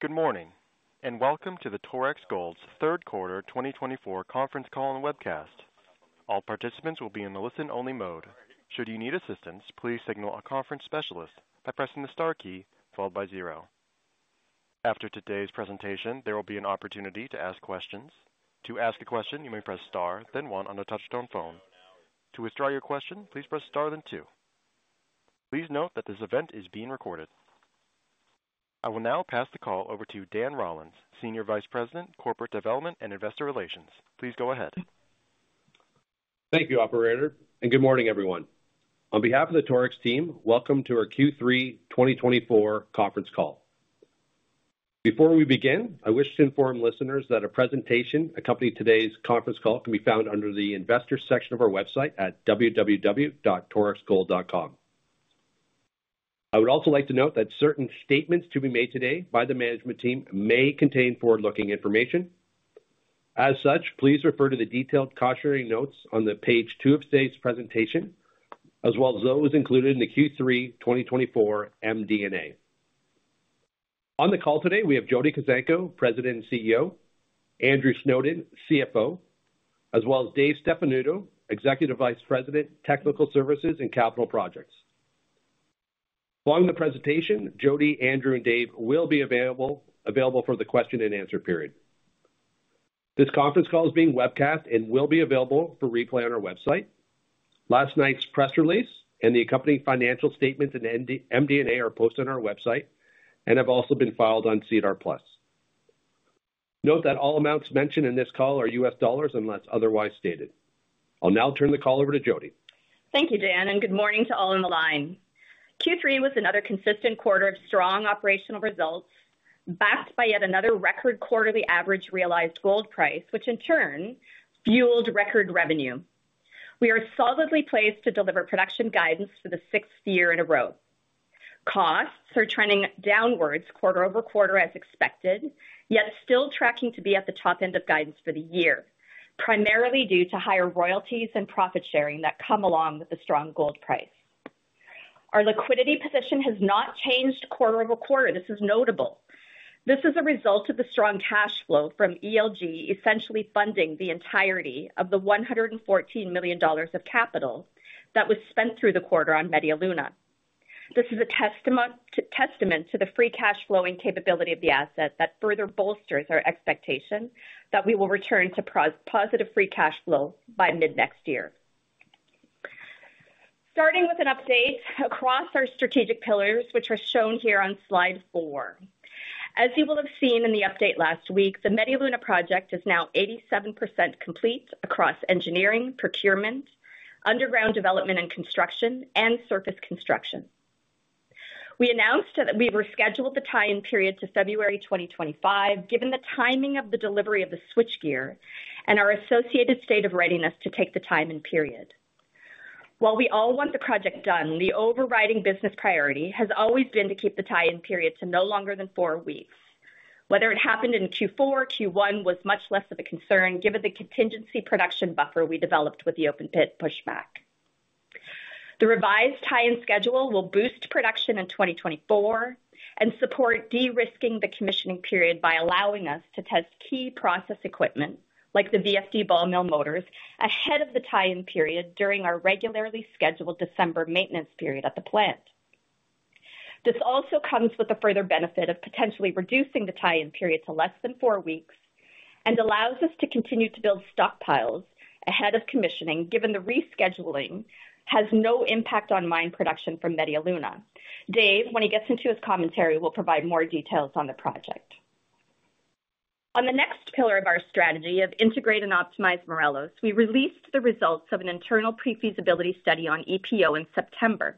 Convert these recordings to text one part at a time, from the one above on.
Good morning, and welcome to the Torex Gold's Third Quarter 2024 Conference Call and Webcast. All participants will be in the listen-only mode. Should you need assistance, please signal a conference specialist by pressing the star key followed by 0. After today's presentation, there will be an opportunity to ask questions. To ask a question, you may press star, then 1 on the touch-tone phone. To withdraw your question, please press star, then 2. Please note that this event is being recorded. I will now pass the call over to Dan Rollins, Senior Vice President, Corporate Development and Investor Relations. Please go ahead. Thank you, Operator, and good morning, everyone. On behalf of the Torex team, welcome to our Q3 2024 Conference Call. Before we begin, I wish to inform listeners that a presentation accompanying today's conference call can be found under the investor section of our website at www.torexgold.com. I would also like to note that certain statements to be made today by the management team may contain forward-looking information. As such, please refer to the detailed cautionary notes on page two of today's presentation, as well as those included in the Q3 2024 MD&A. On the call today, we have Jody Kuzenko, President and CEO, Andrew Snowden, CFO, as well as Dave Stefanuto, Executive Vice President, Technical Services and Capital Projects. Following the presentation, Jody, Andrew, and Dave will be available for the question-and-answer period. This conference call is being webcast and will be available for replay on our website. Last night's press release and the accompanying financial statements and MD&A are posted on our website and have also been filed on SEDAR+. Note that all amounts mentioned in this call are U.S. dollars unless otherwise stated. I'll now turn the call over to Jody. Thank you, Dan, and good morning to all on the line. Q3 was another consistent quarter of strong operational results, backed by yet another record quarterly average realized gold price, which in turn fueled record revenue. We are solidly placed to deliver production guidance for the sixth year in a row. Costs are trending downwards quarter over quarter, as expected, yet still tracking to be at the top end of guidance for the year, primarily due to higher royalties and profit sharing that come along with the strong gold price. Our liquidity position has not changed quarter over quarter. This is notable. This is a result of the strong cash flow from ELG essentially funding the entirety of the $114 million of capital that was spent through the quarter on Media Luna. This is a testament to the free cash flowing capability of the asset that further bolsters our expectation that we will return to positive free cash flow by mid-next year. Starting with an update across our strategic pillars, which are shown here on slide four. As you will have seen in the update last week, the Media Luna project is now 87% complete across engineering, procurement, underground development and construction, and surface construction. We announced that we rescheduled the tie-in period to February 2025, given the timing of the delivery of the switchgear and our associated state of readiness to take the tie-in period. While we all want the project done, the overriding business priority has always been to keep the tie-in period to no longer than four weeks. Whether it happened in Q4 or Q1 was much less of a concern, given the contingency production buffer we developed with the open-pit pushback. The revised tie-in schedule will boost production in 2024 and support de-risking the commissioning period by allowing us to test key process equipment, like the VFD ball mill motors, ahead of the tie-in period during our regularly scheduled December maintenance period at the plant. This also comes with the further benefit of potentially reducing the tie-in period to less than four weeks and allows us to continue to build stockpiles ahead of commissioning, given the rescheduling has no impact on mine production for Media Luna. Dave, when he gets into his commentary, will provide more details on the project. On the next pillar of our strategy of integrate and optimize Morelos, we released the results of an internal pre-feasibility study on EPO in September,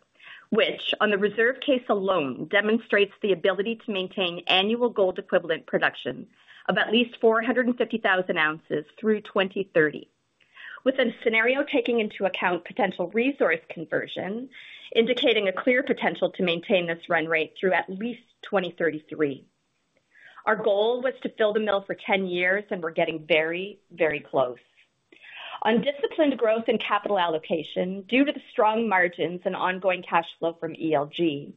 which, on the reserve case alone, demonstrates the ability to maintain annual gold equivalent production of at least 450,000 ounces through 2030, with a scenario taking into account potential resource conversion, indicating a clear potential to maintain this run rate through at least 2033. Our goal was to fill the mill for 10 years, and we're getting very, very close. On disciplined growth and capital allocation, due to the strong margins and ongoing cash flow from ELG,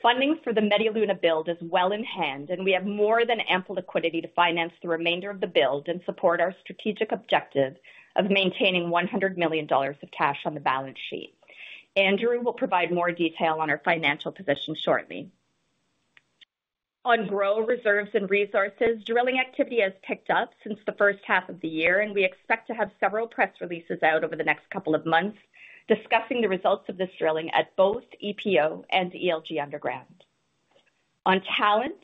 funding for the Media Luna build is well in hand, and we have more than ample liquidity to finance the remainder of the build and support our strategic objective of maintaining $100 million of cash on the balance sheet. Andrew will provide more detail on our financial position shortly. On growing reserves and resources, drilling activity has picked up since the first half of the year, and we expect to have several press releases out over the next couple of months discussing the results of this drilling at both EPO and ELG Underground. On talent,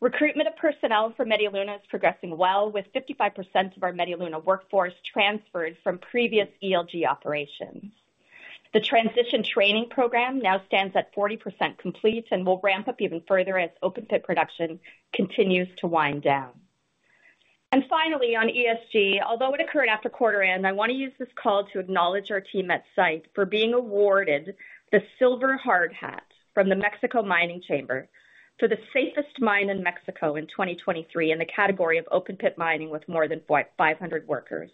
recruitment of personnel for Media Luna is progressing well, with 55% of our Media Luna workforce transferred from previous ELG operations. The transition training program now stands at 40% complete and will ramp up even further as open-pit production continues to wind down, and finally, on ESG, although it occurred after quarter-end, I want to use this call to acknowledge our team at site for being awarded the Silver Hard Hat from the Mexico Mining Chamber for the safest mine in Mexico in 2023 in the category of open-pit mining with more than 500 workers.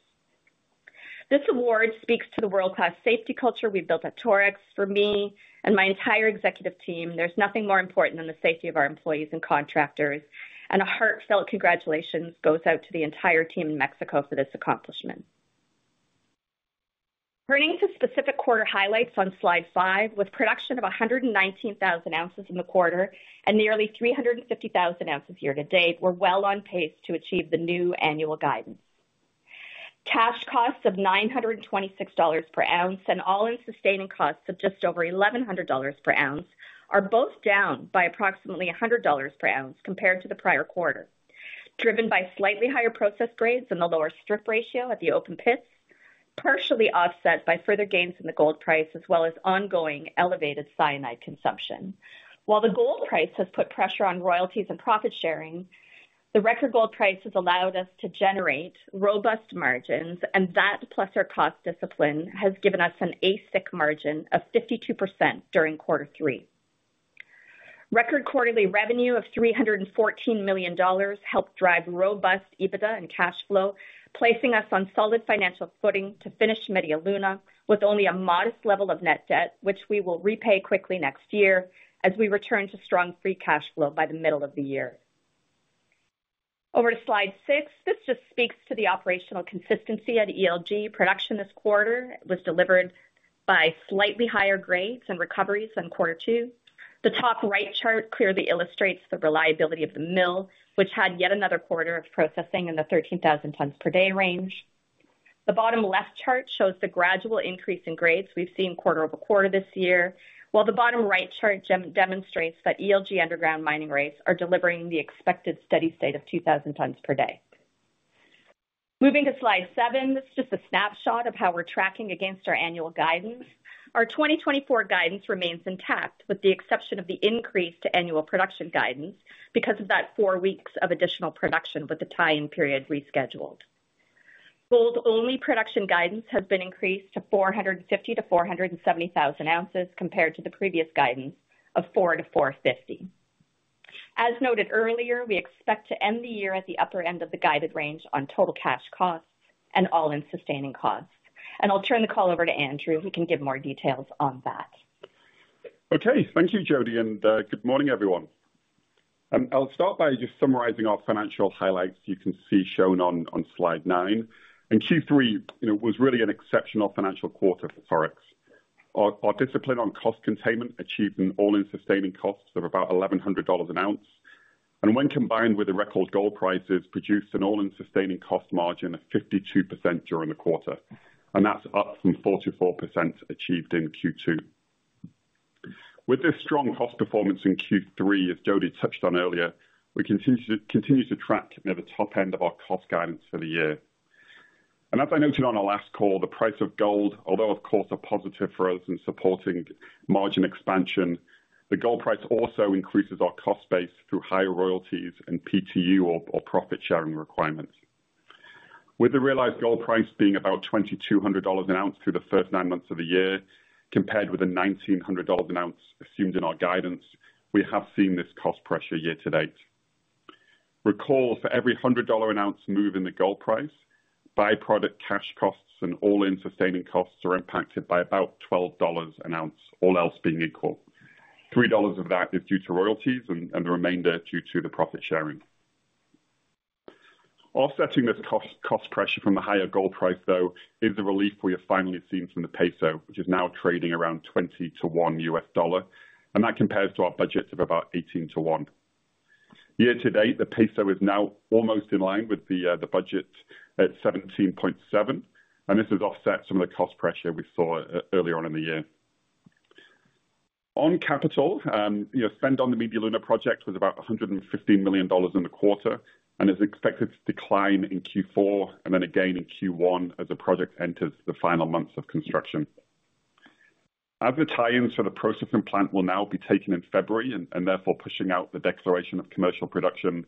This award speaks to the world-class safety culture we've built at Torex. For me and my entire executive team, there's nothing more important than the safety of our employees and contractors, and a heartfelt congratulations goes out to the entire team in Mexico for this accomplishment. Turning to specific quarter highlights on slide five, with production of 119,000 ounces in the quarter and nearly 350,000 ounces year to date, we're well on pace to achieve the new annual guidance. Cash costs of $926 per ounce and all-in sustaining costs of just over $1,100 per ounce are both down by approximately $100 per ounce compared to the prior quarter, driven by slightly higher process grades and the lower strip ratio at the open pits, partially offset by further gains in the gold price, as well as ongoing elevated cyanide consumption. While the gold price has put pressure on royalties and profit sharing, the record gold price has allowed us to generate robust margins, and that, plus our cost discipline, has given us an AISC margin of 52% during quarter three. Record quarterly revenue of $314 million helped drive robust EBITDA and cash flow, placing us on solid financial footing to finish Media Luna with only a modest level of net debt, which we will repay quickly next year as we return to strong free cash flow by the middle of the year. Over to slide six. This just speaks to the operational consistency at ELG. Production this quarter was delivered by slightly higher grades and recoveries than quarter two. The top right chart clearly illustrates the reliability of the mill, which had yet another quarter of processing in the 13,000 tons per day range. The bottom left chart shows the gradual increase in grades we've seen quarter over quarter this year, while the bottom right chart demonstrates that ELG Underground mining rates are delivering the expected steady state of 2,000 tons per day. Moving to slide seven, this is just a snapshot of how we're tracking against our annual guidance. Our 2024 guidance remains intact, with the exception of the increase to annual production guidance because of that four weeks of additional production with the tie-in period rescheduled. Gold-only production guidance has been increased to 450,000-470,000 ounces compared to the previous guidance of 4,000-450,000. As noted earlier, we expect to end the year at the upper end of the guided range on total cash costs and all-in sustaining costs, and I'll turn the call over to Andrew, who can give more details on that. Okay, thank you, Jody, and good morning, everyone. I'll start by just summarizing our financial highlights you can see shown on slide nine. Q3 was really an exceptional financial quarter for Torex. Our discipline on cost containment achieved an all-in sustaining cost of about $1,100 an ounce, and when combined with the record gold prices, produced an all-in sustaining cost margin of 52% during the quarter, and that's up from 44% achieved in Q2. With this strong cost performance in Q3, as Jody touched on earlier, we continue to track near the top end of our cost guidance for the year. As I noted on our last call, the price of gold, although of course a positive for us in supporting margin expansion, the gold price also increases our cost base through higher royalties and PTU or profit sharing requirements. With the realized gold price being about $2,200 an ounce through the first nine months of the year, compared with the $1,900 an ounce assumed in our guidance, we have seen this cost pressure year to date. Recall, for every $100 an ounce move in the gold price, byproduct cash costs and all-in sustaining costs are impacted by about $12 an ounce, all else being equal. $3 of that is due to royalties and the remainder due to the profit sharing. Offsetting this cost pressure from the higher gold price, though, is the relief we have finally seen from the peso, which is now trading around 20 to 1 U.S. dollar, and that compares to our budget of about 18 to 1. Year to date, the peso is now almost in line with the budget at 17.7, and this has offset some of the cost pressure we saw earlier on in the year. On capital, spend on the Media Luna project was about $115 million in the quarter and is expected to decline in Q4 and then again in Q1 as the project enters the final months of construction. As the tie-ins for the processing plant will now be taken in February and therefore pushing out the declaration of commercial production,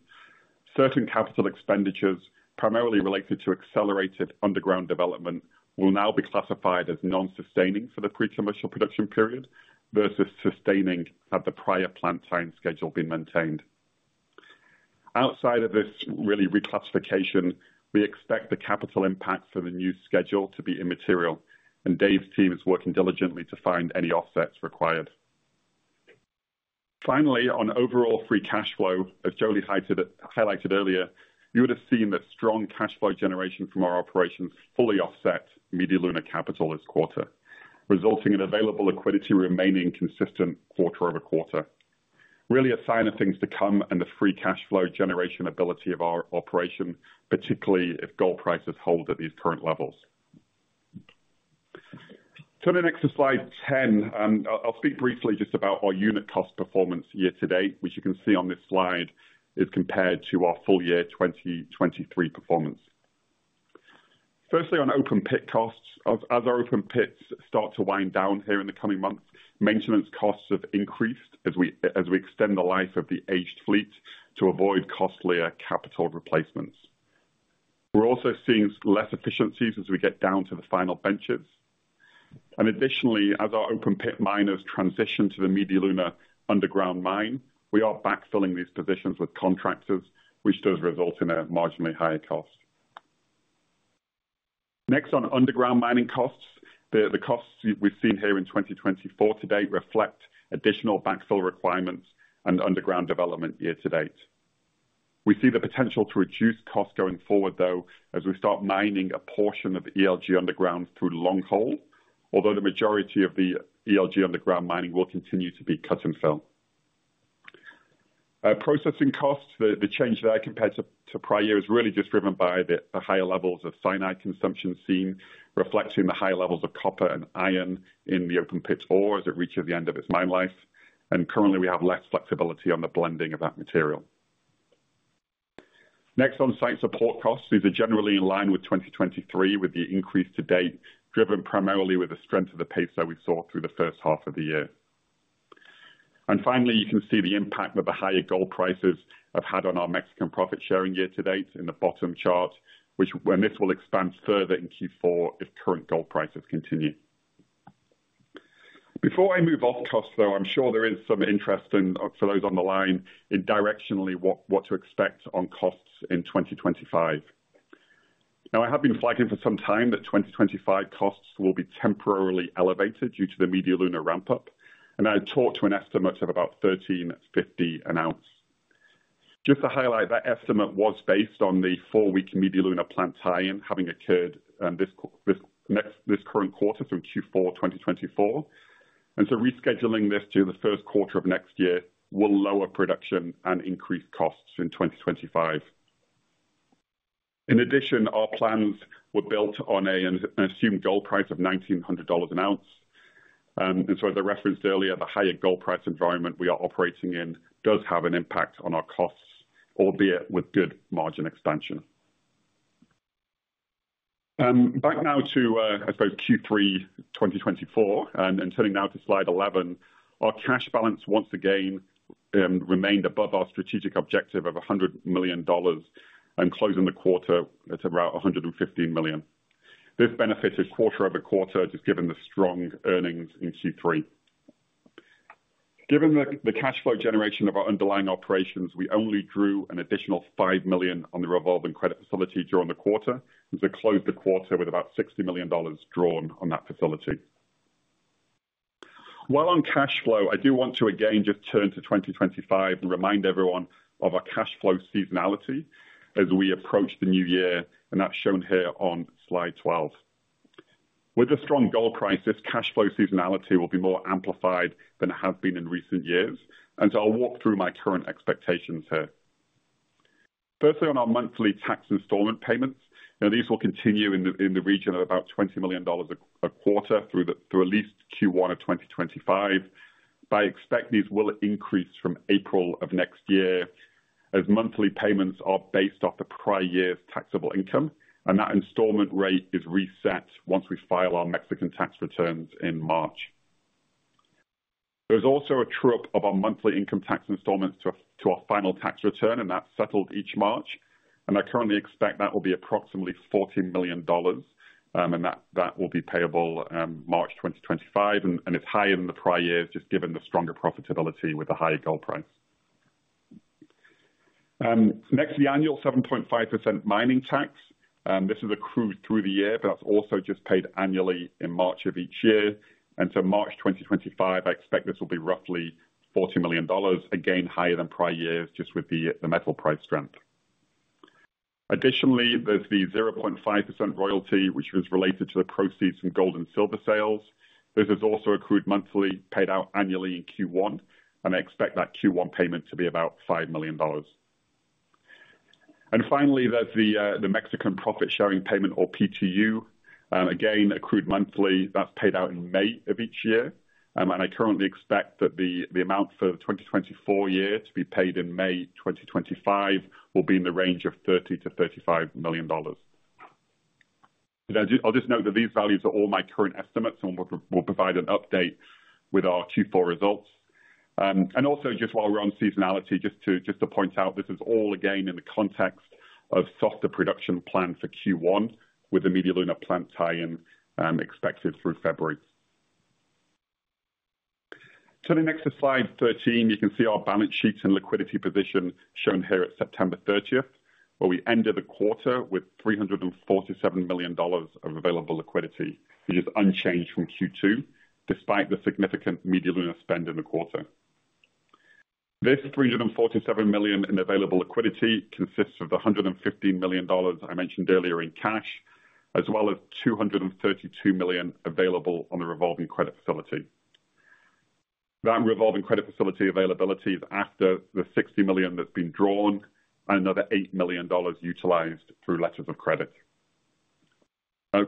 certain capital expenditures, primarily related to accelerated underground development, will now be classified as non-sustaining for the pre-commercial production period versus sustaining had the prior plant tie-in schedule been maintained. Outside of this really reclassification, we expect the capital impact for the new schedule to be immaterial, and Dave's team is working diligently to find any offsets required. Finally, on overall free cash flow, as Jody highlighted earlier, you would have seen that strong cash flow generation from our operations fully offset Media Luna capital this quarter, resulting in available liquidity remaining consistent quarter over quarter. Really a sign of things to come and the free cash flow generation ability of our operation, particularly if gold prices hold at these current levels. Turning next to slide 10, I'll speak briefly just about our unit cost performance year to date, which you can see on this slide is compared to our full year 2023 performance. Firstly, on open-pit costs, as our open pits start to wind down here in the coming months, maintenance costs have increased as we extend the life of the aged fleet to avoid costlier capital replacements. We're also seeing less efficiencies as we get down to the final benches. And additionally, as our open-pit miners transition to the Media Luna underground mine, we are backfilling these positions with contractors, which does result in a marginally higher cost. Next, on underground mining costs, the costs we've seen here in 2024 to date reflect additional backfill requirements and underground development year to date. We see the potential to reduce costs going forward, though, as we start mining a portion of ELG Underground through long hole, although the majority of the ELG Underground mining will continue to be cut and fill. Processing costs, the change there compared to prior year is really just driven by the higher levels of cyanide consumption seen, reflecting the high levels of copper and iron in the open-pit ore as it reaches the end of its mine life. And currently, we have less flexibility on the blending of that material. Next, on site support costs, these are generally in line with 2023, with the increase to date driven primarily with the strength of the peso we saw through the first half of the year. And finally, you can see the impact that the higher gold prices have had on our Mexican profit sharing year to date in the bottom chart, which this will expand further in Q4 if current gold prices continue. Before I move off costs, though, I'm sure there is some interest for those on the line in directionally what to expect on costs in 2025. Now, I have been flagging for some time that 2025 costs will be temporarily elevated due to the Media Luna ramp-up, and I've tied to an estimate of about $1,350 an ounce. Just to highlight, that estimate was based on the four-week Media Luna plant tie-in having occurred this current quarter through Q4 2024. Rescheduling this to the first quarter of next year will lower production and increase costs in 2025. In addition, our plans were built on an assumed gold price of $1,900 an ounce. As I referenced earlier, the higher gold price environment we are operating in does have an impact on our costs, albeit with good margin expansion. Back now to, I suppose, Q3 2024, and turning now to slide 11, our cash balance once again remained above our strategic objective of $100 million and closing the quarter at about $115 million. This benefited quarter over quarter, just given the strong earnings in Q3. Given the cash flow generation of our underlying operations, we only drew an additional $5 million on the revolving credit facility during the quarter, and so closed the quarter with about $60 million drawn on that facility. While on cash flow, I do want to again just turn to 2025 and remind everyone of our cash flow seasonality as we approach the new year, and that's shown here on slide 12. With the strong gold prices, cash flow seasonality will be more amplified than it has been in recent years, and so I'll walk through my current expectations here. Firstly, on our monthly tax installment payments, these will continue in the region of about $20 million a quarter through at least Q1 of 2025. By expecting these will increase from April of next year as monthly payments are based off the prior year's taxable income, and that installment rate is reset once we file our Mexican tax returns in March. There's also a true-up of our monthly income tax installments to our final tax return, and that's settled each March, and I currently expect that will be approximately $40 million, and that will be payable March 2025, and it's higher than the prior years, just given the stronger profitability with the higher gold price. Next, the annual 7.5% mining tax. This is accrued through the year, but that's also just paid annually in March of each year, and so March 2025, I expect this will be roughly $40 million, again higher than prior years, just with the metal price strength. Additionally, there's the 0.5% royalty, which was related to the proceeds from gold and silver sales. This is also accrued monthly, paid out annually in Q1, and I expect that Q1 payment to be about $5 million. And finally, there's the Mexican profit sharing payment, or PTU, again accrued monthly. That's paid out in May of each year, and I currently expect that the amount for the 2024 year to be paid in May 2025 will be in the range of $30-$35 million. I'll just note that these values are all my current estimates, and we'll provide an update with our Q4 results, and also, just while we're on seasonality, just to point out, this is all again in the context of gold production plan for Q1 with the Media Luna plant tie-in expected through February. Turning next to slide 13, you can see our balance sheets and liquidity position shown here at September 30th, where we ended the quarter with $347 million of available liquidity, which is unchanged from Q2, despite the significant Media Luna spend in the quarter. This $347 million in available liquidity consists of the $115 million I mentioned earlier in cash, as well as $232 million available on the revolving credit facility. That revolving credit facility availability is after the $60 million that's been drawn and another $8 million utilized through letters of credit.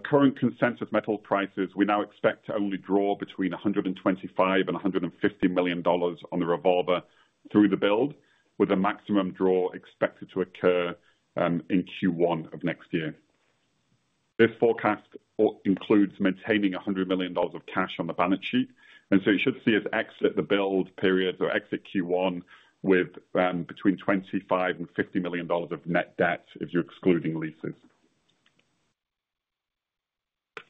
Current consensus metal prices, we now expect to only draw between $125 and $150 million on the revolver through the build, with a maximum draw expected to occur in Q1 of next year. This forecast includes maintaining $100 million of cash on the balance sheet, and so you should see us exit the build period or exit Q1 with between $25 and $50 million of net debt if you're excluding leases.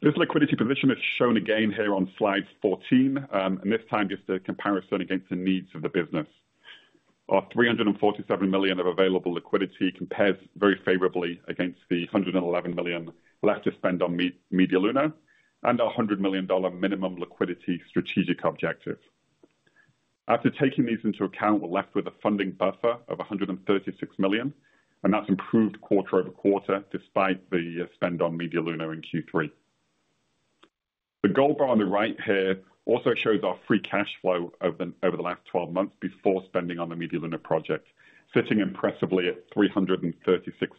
This liquidity position is shown again here on slide 14, and this time just a comparison against the needs of the business. Our $347 million of available liquidity compares very favorably against the $111 million left to spend on Media Luna and our $100 million minimum liquidity strategic objective. After taking these into account, we're left with a funding buffer of $136 million, and that's improved quarter over quarter despite the spend on Media Luna in Q3. The gold bar on the right here also shows our free cash flow over the last 12 months before spending on the Media Luna project, sitting impressively at $336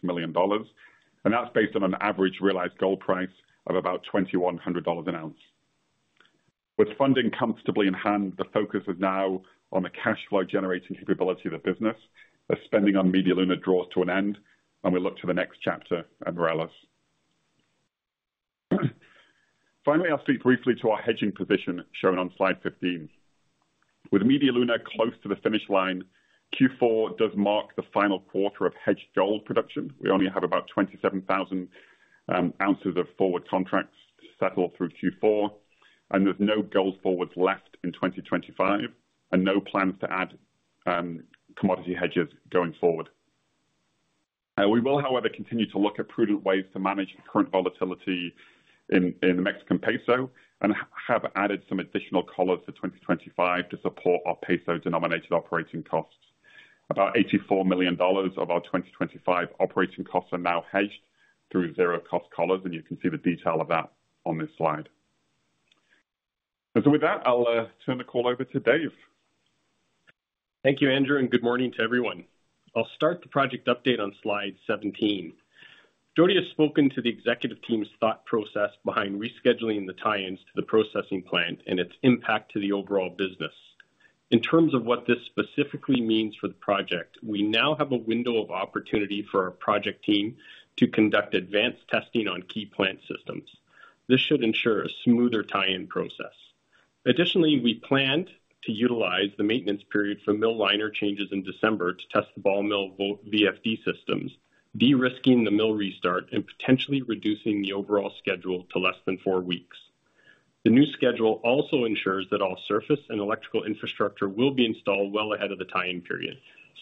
million, and that's based on an average realized gold price of about $2,100 an ounce. With funding comfortably in hand, the focus is now on the cash flow generating capability of the business. The spending on Media Luna draws to an end, and we look to the next chapter and Media Luna. Finally, I'll speak briefly to our hedging position shown on slide 15. With Media Luna close to the finish line, Q4 does mark the final quarter of hedged gold production. We only have about 27,000 ounces of forward contracts to settle through Q4, and there's no gold forwards left in 2025 and no plans to add commodity hedges going forward. We will, however, continue to look at prudent ways to manage current volatility in the Mexican peso and have added some additional collars to 2025 to support our peso denominated operating costs. About $84 million of our 2025 operating costs are now hedged through zero-cost collars, and you can see the detail of that on this slide. And so with that, I'll turn the call over to Dave. Thank you, Andrew, and good morning to everyone. I'll start the project update on slide 17. Jody has spoken to the executive team's thought process behind rescheduling the tie-ins to the processing plant and its impact to the overall business. In terms of what this specifically means for the project, we now have a window of opportunity for our project team to conduct advanced testing on key plant systems. This should ensure a smoother tie-in process. Additionally, we planned to utilize the maintenance period for mill liner changes in December to test the ball mill VFD systems, de-risking the mill restart and potentially reducing the overall schedule to less than four weeks. The new schedule also ensures that all surface and electrical infrastructure will be installed well ahead of the tie-in period,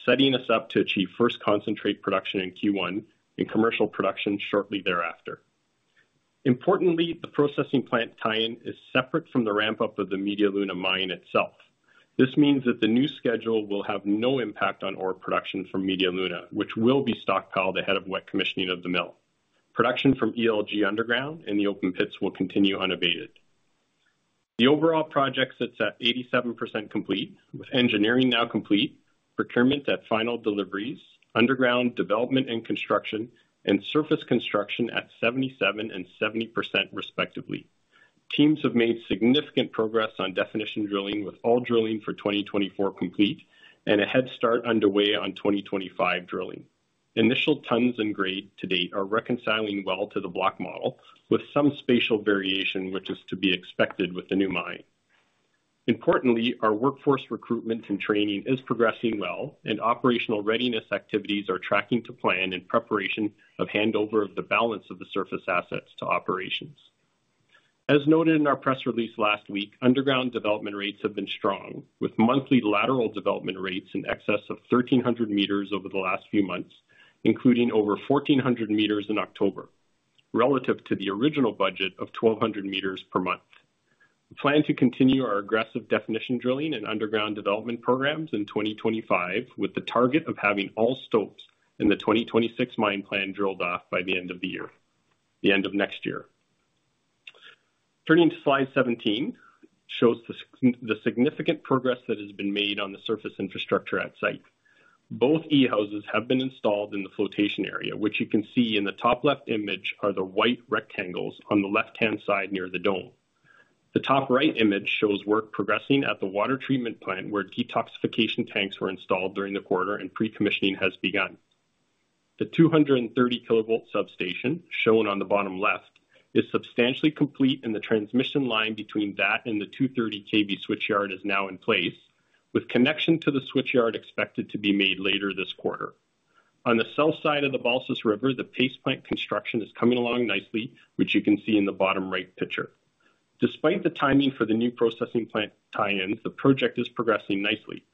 setting us up to achieve first concentrate production in Q1 and commercial production shortly thereafter. Importantly, the processing plant tie-in is separate from the ramp-up of the Media Luna mine itself. This means that the new schedule will have no impact on ore production from Media Luna, which will be stockpiled ahead of wet commissioning of the mill. Production from ELG Underground and the open pits will continue unabated. The overall project sits at 87% complete, with engineering now complete, procurement at final deliveries, underground development and construction, and surface construction at 77% and 70% respectively. Teams have made significant progress on definition drilling, with all drilling for 2024 complete and a head start underway on 2025 drilling. Initial tons and grade to date are reconciling well to the block model, with some spatial variation, which is to be expected with the new mine. Importantly, our workforce recruitment and training is progressing well, and operational readiness activities are tracking to plan in preparation of handover of the balance of the surface assets to operations. As noted in our press release last week, underground development rates have been strong, with monthly lateral development rates in excess of 1,300 meters over the last few months, including over 1,400 meters in October, relative to the original budget of 1,200 meters per month. We plan to continue our aggressive definition drilling and underground development programs in 2025, with the target of having all stopes in the 2026 mine plan drilled off by the end of the year, the end of next year. Turning to slide 17, it shows the significant progress that has been made on the surface infrastructure at site. Both E-houses have been installed in the flotation area, which you can see in the top left image are the white rectangles on the left-hand side near the dome. The top right image shows work progressing at the water treatment plant where detoxification tanks were installed during the quarter and pre-commissioning has begun. The 230 kilovolt substation shown on the bottom left is substantially complete, and the transmission line between that and the 230 kV switchyard is now in place, with connection to the switchyard expected to be made later this quarter. On the south side of the Balsas River, the paste plant construction is coming along nicely, which you can see in the bottom right picture. Despite the timing for the new processing plant tie-ins, the project is progressing nicely.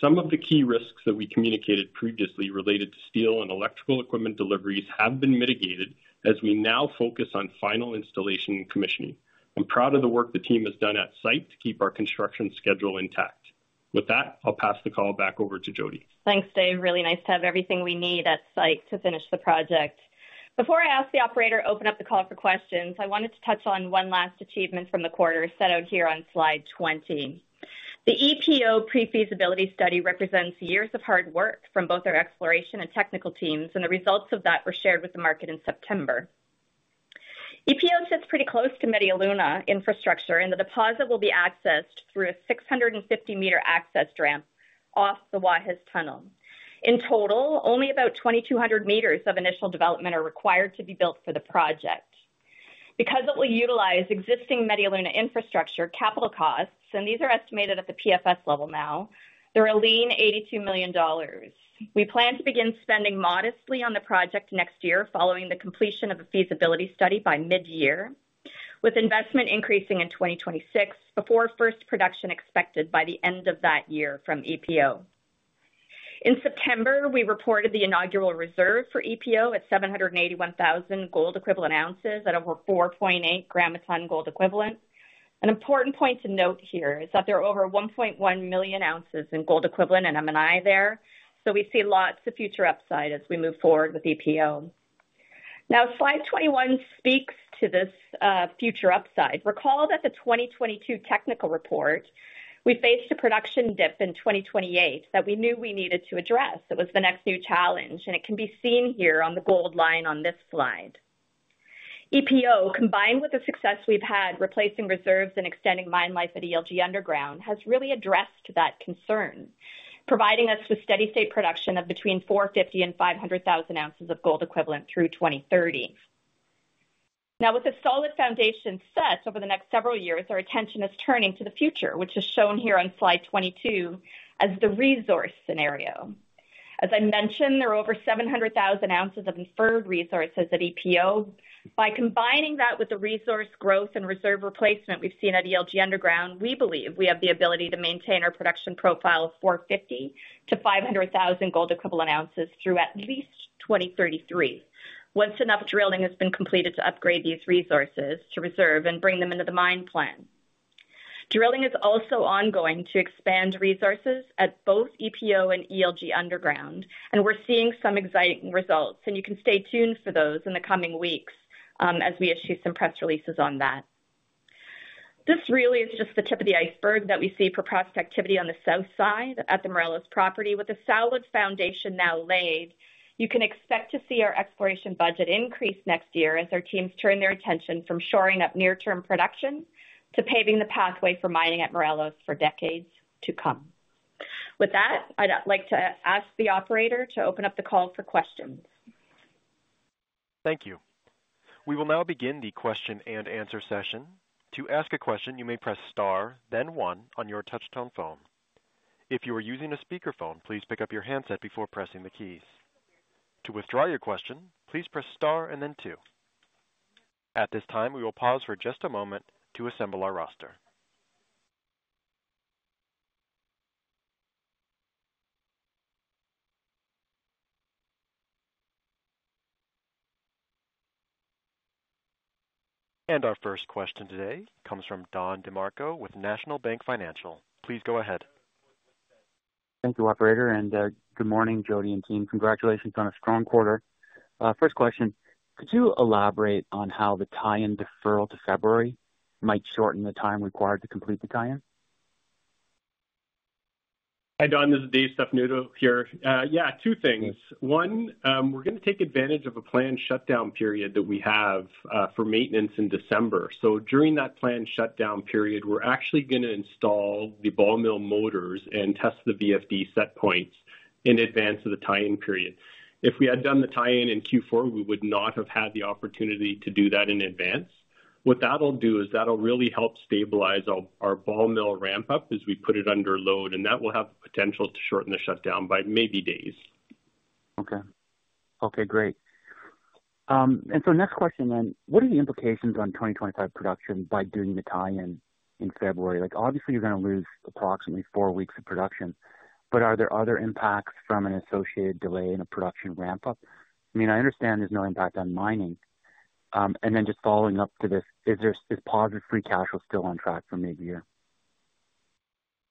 Some of the key risks that we communicated previously related to steel and electrical equipment deliveries have been mitigated as we now focus on final installation and commissioning. I'm proud of the work the team has done at site to keep our construction schedule intact. With that, I'll pass the call back over to Jody. Thanks, Dave. Really nice to have everything we need at site to finish the project. Before I ask the operator to open up the call for questions, I wanted to touch on one last achievement from the quarter set out here on slide 20. The EPO pre-feasibility study represents years of hard work from both our exploration and technical teams, and the results of that were shared with the market in September. EPO sits pretty close to Media Luna infrastructure, and the deposit will be accessed through a 650-meter access ramp off the Guajes Tunnel. In total, only about 2,200 meters of initial development are required to be built for the project. Because it will utilize existing Media Luna infrastructure, capital costs, and these are estimated at the PFS level now, they're a lean $82 million. We plan to begin spending modestly on the project next year following the completion of a feasibility study by mid-year, with investment increasing in 2026 before first production expected by the end of that year from EPO. In September, we reported the inaugural reserve for EPO at 781,000 gold equivalent ounces at over 4.8 grams per ton gold equivalent. An important point to note here is that there are over 1.1 million ounces in gold equivalent and M&I there, so we see lots of future upside as we move forward with EPO. Now, slide 21 speaks to this future upside. Recall that the 2022 technical report, we faced a production dip in 2028 that we knew we needed to address. It was the next new challenge, and it can be seen here on the gold line on this slide. EPO, combined with the success we've had replacing reserves and extending mine life at ELG Underground, has really addressed that concern, providing us with steady-state production of between 450 and 500,000 ounces of gold equivalent through 2030. Now, with a solid foundation set over the next several years, our attention is turning to the future, which is shown here on slide 22 as the resource scenario. As I mentioned, there are over 700,000 ounces of inferred resources at EPO. By combining that with the resource growth and reserve replacement we've seen at ELG Underground, we believe we have the ability to maintain our production profile of 450 to 500,000 gold equivalent ounces through at least 2033, once enough drilling has been completed to upgrade these resources to reserve and bring them into the mine plan. Drilling is also ongoing to expand resources at both EPO and ELG Underground, and we're seeing some exciting results, and you can stay tuned for those in the coming weeks as we issue some press releases on that. This really is just the tip of the iceberg that we see for prospect activity on the south side at the Morelos property. With a solid foundation now laid, you can expect to see our exploration budget increase next year as our teams turn their attention from shoring up near-term production to paving the pathway for mining at Morelos for decades to come. With that, I'd like to ask the operator to open up the call for questions. Thank you. We will now begin the question and answer session. To ask a question, you may press star, then 1, on your touch-tone phone. If you are using a speakerphone, please pick up your handset before pressing the keys. To withdraw your question, please press star and then 2. At this time, we will pause for just a moment to assemble our roster. And our first question today comes from Don DeMarco with National Bank Financial. Please go ahead. Thank you, operator, and good morning, Jody and team. Congratulations on a strong quarter. First question, could you elaborate on how the tie-in deferral to February might shorten the time required to complete the tie-in? Hi, Don. This is Dave Stefanuto here. Yeah, two things. One, we're going to take advantage of a planned shutdown period that we have for maintenance in December. So during that planned shutdown period, we're actually going to install the ball mill motors and test the VFD set points in advance of the tie-in period. If we had done the tie-in in Q4, we would not have had the opportunity to do that in advance. What that'll do is that'll really help stabilize our ball mill ramp-up as we put it under load, and that will have the potential to shorten the shutdown by maybe days. Okay. Okay, great. And so next question then, what are the implications on 2025 production by doing the tie-in in February? Obviously, you're going to lose approximately four weeks of production, but are there other impacts from an associated delay in a production ramp-up? I mean, I understand there's no impact on mining. And then just following up to this, is positive free cash flow still on track for mid-year?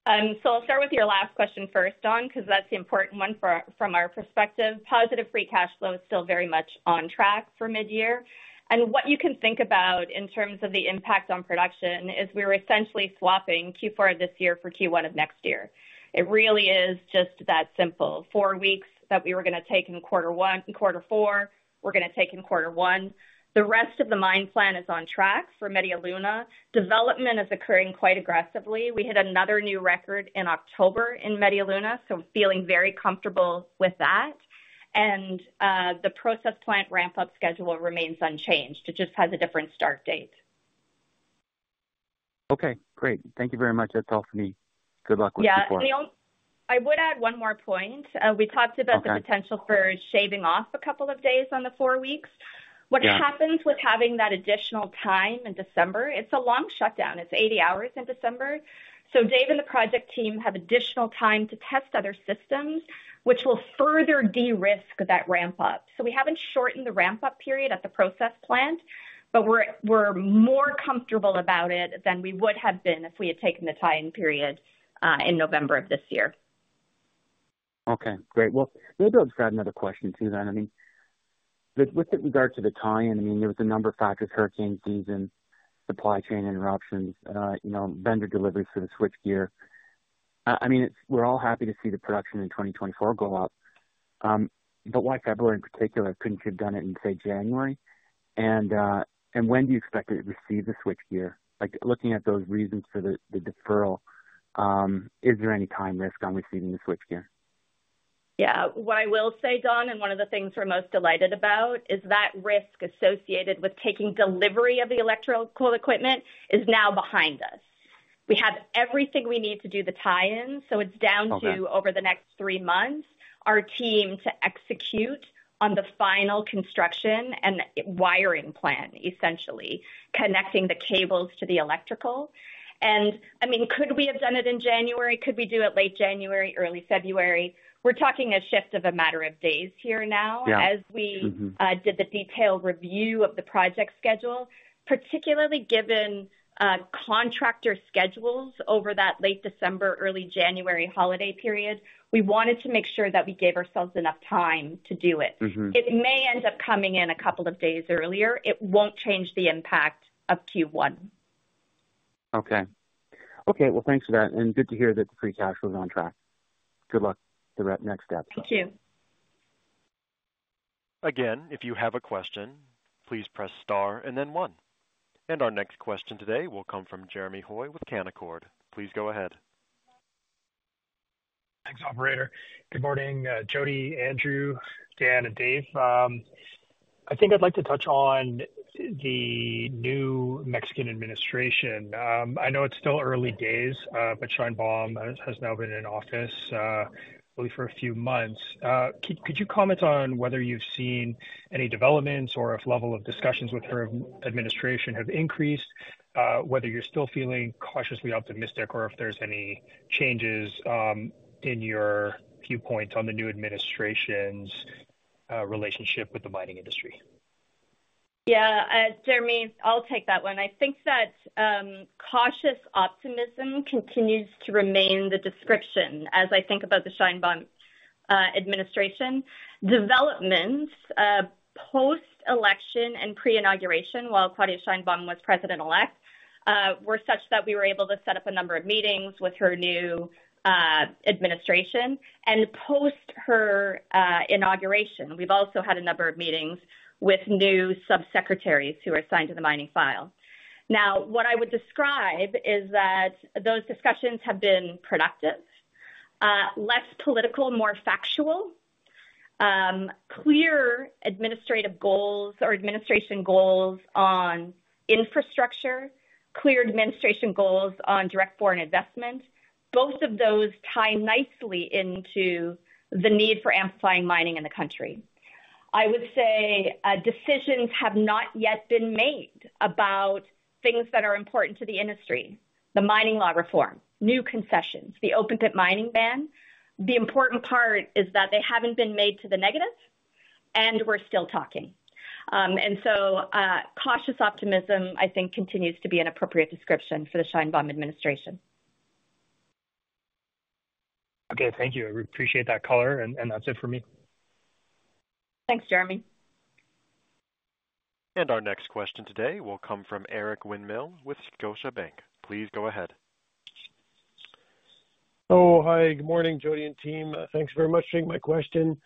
So I'll start with your last question first, Don, because that's the important one from our perspective. Positive free cash flow is still very much on track for mid-year. What you can think about in terms of the impact on production is we were essentially swapping Q4 of this year for Q1 of next year. It really is just that simple. Four weeks that we were going to take in quarter one, quarter four, we're going to take in quarter one. The rest of the mine plan is on track for Media Luna. Development is occurring quite aggressively. We hit another new record in October in Media Luna, so feeling very comfortable with that. The process plant ramp-up schedule remains unchanged. It just has a different start date. Okay, great. Thank you very much. That's all for me. Good luck with Q4. Yeah, I would add one more point. We talked about the potential for shaving off a couple of days on the four weeks. What happens with having that additional time in December? It's a long shutdown. It's 80 hours in December. So Dave and the project team have additional time to test other systems, which will further de-risk that ramp-up. So we haven't shortened the ramp-up period at the process plant, but we're more comfortable about it than we would have been if we had taken the tie-in period in November of this year. Okay, great. Well, maybe I'll just add another question to that. I mean, with regard to the tie-in, I mean, there was a number of factors: hurricane season, supply chain interruptions, vendor deliveries for the switchgear. I mean, we're all happy to see the production in 2024 go up, but why February in particular? Couldn't you have done it in, say, January? And when do you expect to receive the switchgear? Looking at those reasons for the deferral, is there any time risk on receiving the switchgear? Yeah. What I will say, Don, and one of the things we're most delighted about is that risk associated with taking delivery of the electrical equipment is now behind us. We have everything we need to do the tie-in, so it's down to, over the next three months, our team to execute on the final construction and wiring plan, essentially connecting the cables to the electrical. And I mean, could we have done it in January? Could we do it late January, early February? We're talking a shift of a matter of days here now as we did the detailed review of the project schedule. Particularly given contractor schedules over that late December, early January holiday period, we wanted to make sure that we gave ourselves enough time to do it. It may end up coming in a couple of days earlier. It won't change the impact of Q1. Okay. Okay, well, thanks for that. And good to hear that the free cash was on track. Good luck with the next steps. Thank you. Again, if you have a question, please press star and then one. And our next question today will come from Jeremy Hoy with Canaccord. Please go ahead. Thanks, operator. Good morning, Jody, Andrew, Dan, and Dave. I think I'd like to touch on the new Mexican administration. I know it's still early days, but Sheinbaum has now been in office, I believe, for a few months. Could you comment on whether you've seen any developments or if level of discussions with her administration have increased, whether you're still feeling cautiously optimistic or if there's any changes in your viewpoint on the new administration's relationship with the mining industry? Yeah, Jeremy, I'll take that one. I think that cautious optimism continues to remain the description as I think about the Sheinbaum administration. Developments post-election and pre-inauguration, while Claudia Sheinbaum was president-elect, were such that we were able to set up a number of meetings with her new administration and post her inauguration. We've also had a number of meetings with new subsecretaries who are assigned to the mining file. Now, what I would describe is that those discussions have been productive, less political, more factual, clear administrative goals or administration goals on infrastructure, clear administration goals on direct foreign investment. Both of those tie nicely into the need for amplifying mining in the country. I would say decisions have not yet been made about things that are important to the industry: the mining law reform, new concessions, the open-pit mining ban. The important part is that they haven't been made to the negative, and we're still talking. And so cautious optimism, I think, continues to be an appropriate description for the Sheinbaum administration. Okay, thank you. I appreciate that color, and that's it for me. Thanks, Jeremy. And our next question today will come from Eric Winmill with Scotiabank. Please go ahead. Oh, hi. Good morning, Jody and team. Thanks very much for taking my question.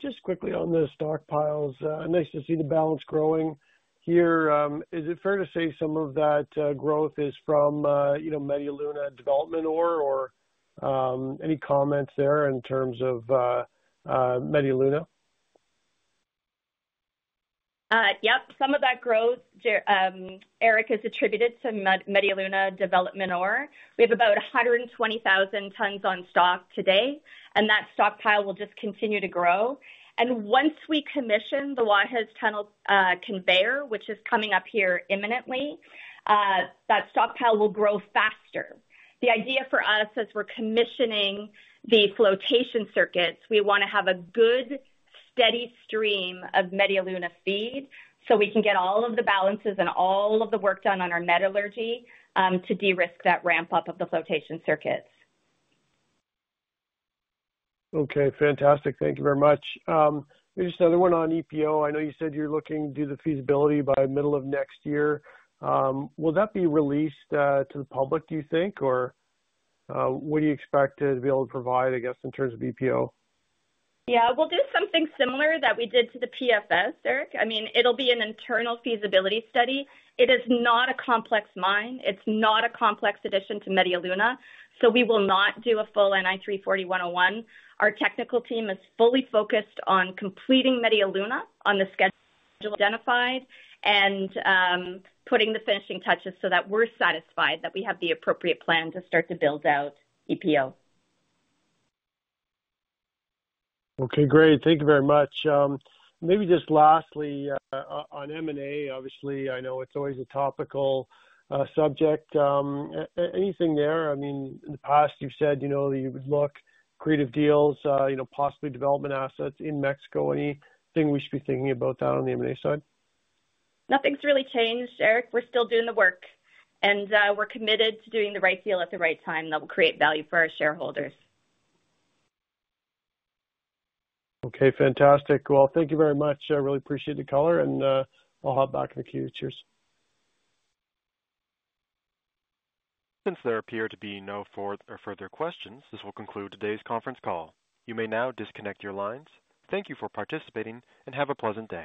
Just quickly on the stockpiles, nice to see the balance growing here. Is it fair to say some of that growth is from Media Luna development or any comments there in terms of Media Luna? Yep, some of that growth, Eric, is attributed to Media Luna development or. We have about 120,000 tons on stock today, and that stockpile will just continue to grow. Once we commission the Guajes Tunnel conveyor, which is coming up here imminently, that stockpile will grow faster. The idea for us, as we're commissioning the flotation circuits, we want to have a good, steady stream of Media Luna feed so we can get all of the balances and all of the work done on our metallurgy to de-risk that ramp-up of the flotation circuits. Okay, fantastic. Thank you very much. Just another one on EPO. I know you said you're looking to do the feasibility by middle of next year. Will that be released to the public, do you think, or what do you expect to be able to provide, I guess, in terms of EPO? Yeah, we'll do something similar that we did to the PFS, Eric. I mean, it'll be an internal feasibility study. It is not a complex mine. It's not a complex addition to Media Luna, so we will not do a full NI 43-101. Our technical team is fully focused on completing Media Luna on the schedule identified and putting the finishing touches so that we're satisfied that we have the appropriate plan to start to build out EPO. Okay, great. Thank you very much. Maybe just lastly, on M&A, obviously, I know it's always a topical subject. Anything there? I mean, in the past, you've said you would look at creative deals, possibly development assets in Mexico. Anything we should be thinking about that on the M&A side? Nothing's really changed, Eric. We're still doing the work, and we're committed to doing the right deal at the right time that will create value for our shareholders. Okay, fantastic. Well, thank you very much. I really appreciate the color, and I'll hop back in a few. Cheers. Since there appear to be no further questions, this will conclude today's conference call. You may now disconnect your lines. Thank you for participating, and have a pleasant day.